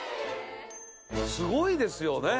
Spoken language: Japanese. すごいですよね。